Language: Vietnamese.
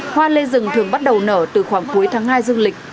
hoa lê rừng thường bắt đầu nở từ khoảng cuối tháng hai dương lịch